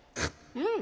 うん！